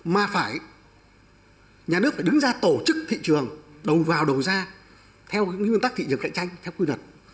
mà phải nhà nước phải đứng ra tổ chức thị trường đầu vào đầu ra theo nguyên tắc thị trường cạnh tranh theo quy luật